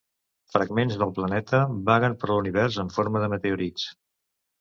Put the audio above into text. Fragments del planeta vaguen per l'univers en forma de meteorits.